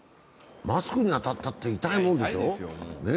マスクに当たったって、痛いもんでしょう？